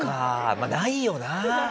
まあないよな。